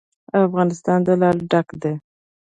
افغانستان له لعل ډک دی.